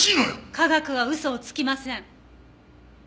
科学は嘘をつきません。